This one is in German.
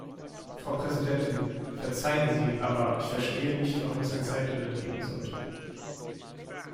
Frau Präsidentin, verzeihen Sie, aber ich verstehe nicht, warum es ein Zeitlimit geben sollte.